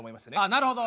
なるほど。